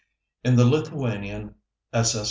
In the Lithuanian S.